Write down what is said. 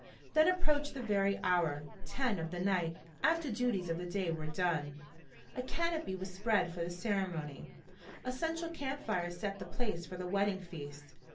Then approached the very hour ten of the night, after duties of the day were done. A canopy was spread for the ceremony. A central camp fire set the place for the wedding feast.